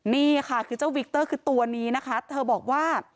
นี่ค่ะคือเจ้าวิกเตอร์คือตัวนี้นะคะเธอบอกว่า